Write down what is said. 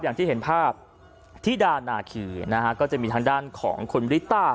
อย่างที่เห็นภาพธิดานาคีนะฮะก็จะมีทางด้านของคุณริต้า